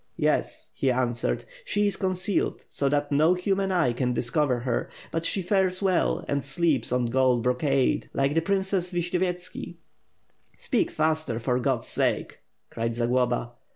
'Yes,' he answered, 'she is concealed so that no human eye can discover her; but she fares well and sleeps on gold bro cade, like the Princess Vishnyovyetski/ " "Speak faster, for God's sake!" cried Zagloba.